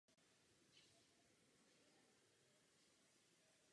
Někdejší belgická kasárna "Camp Astrid" také nesou její jméno.